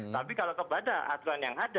tapi kalau kepada aturan yang ada